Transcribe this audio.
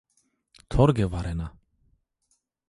Torge varena